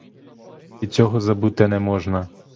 І цього забути не можна.